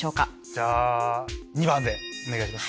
じゃあ番でお願いします。